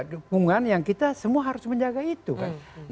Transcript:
dukungan yang kita semua harus menjaga itu kan